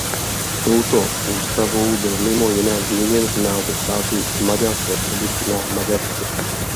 Touto ústavou byl mimo jiné změněn název státu z "Maďarské republiky" na Maďarsko.